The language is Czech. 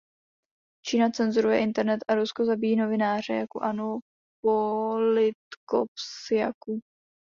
Čína cenzuruje internet a Rusko zabíjí novináře, jako Annu Politkovskaju.